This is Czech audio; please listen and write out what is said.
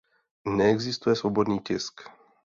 Neexistuje svobodný tisk.